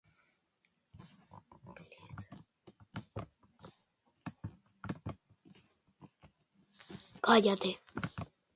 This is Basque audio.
Kanpainari hasiera emango dion bi minutuko bideoa eskegi du presidenteak portal ospetsu horretan.